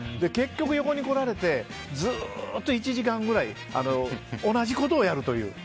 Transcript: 結局、横に来られてずっと１時間ぐらい同じことをやるという。